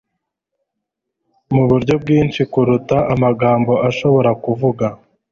muburyo bwinshi kuruta amagambo ashobora kuvuga